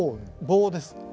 棒です。